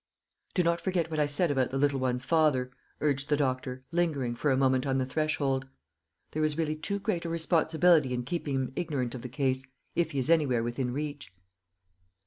"Do not forget what I said about the little one's father," urged the doctor, lingering for a minute on the threshold. "There is really too great a responsibility in keeping him ignorant of the case, if he is anywhere within reach."